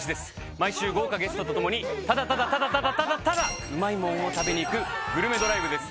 毎週豪華ゲストと共にただただただただただただうまいもんを食べに行くグルメドライブです。